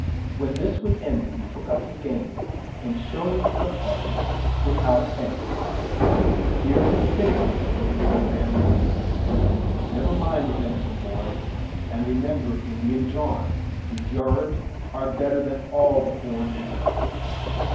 When this was ended, he took up his game, and, showing it to the party without a head, he cried: "Here is a tidbit for an old man's Christmas never mind the venison, boy, and remember Indian John; his yarbs are better than all the foreign 'intments.